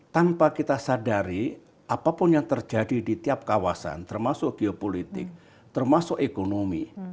tanpa kita sadari apapun yang terjadi di tiap kawasan termasuk geopolitik termasuk ekonomi